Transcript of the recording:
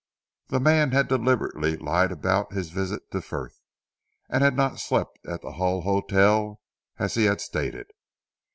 The man had deliberately lied about his visit to Frith, and had not slept at the Hull Hotel, as he had stated.